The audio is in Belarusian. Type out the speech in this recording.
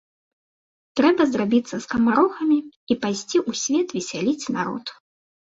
Трэба зрабіцца скамарохамі і пайсці ў свет весяліць народ.